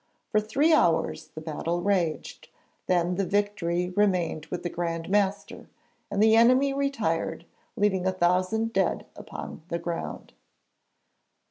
For three hours the battle raged; then the victory remained with the Grand Master, and the enemy retired, leaving a thousand dead upon the ground.